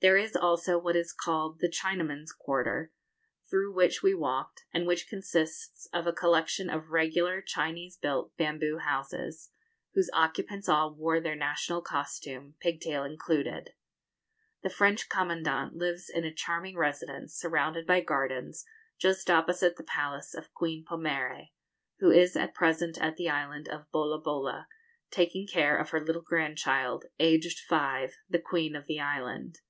There is also what is called the Chinamen's quarter, through which we walked, and which consists of a collection of regular Chinese built bamboo houses, whose occupants all wore their national costume, pigtail included. The French commandant lives in a charming residence, surrounded by gardens, just opposite the palace of Queen Pomare, who is at present at the island of Bola Bola, taking care of her little grandchild, aged five, the queen of the island.